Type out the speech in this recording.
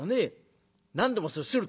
何でもする。